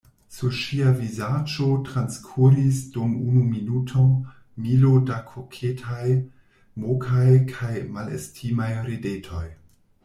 Sur ŝia vizaĝo transkuris dum unu minuto milo da koketaj, mokaj kaj malestimaj ridetoj.